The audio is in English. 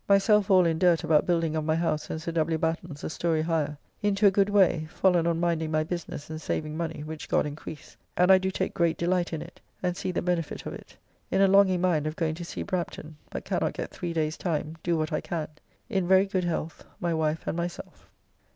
Myself all in dirt about building of my house and Sir W. Batten's a story higher. Into a good way, fallen on minding my business and saving money, which God encrease; and I do take great delight in it, and see the benefit of it. In a longing mind of going to see Brampton, but cannot get three days time, do what I can. In very good health, my wife and myself.